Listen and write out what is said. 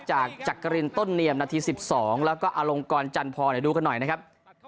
จากจักรินต้นเนียมนาที๑๒แล้วก็อลงกรจันทรดูกันหน่อยนะครับ